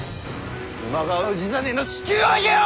今川氏真の首級を上げよ！